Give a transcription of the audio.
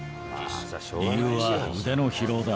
理由は腕の疲労だ。